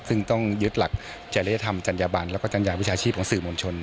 ซึ่งต้องยึดหลักจริยธรรมจัญญบันแล้วก็จัญญาวิชาชีพของสื่อมวลชน